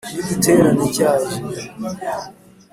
n’ igiterane cyazo,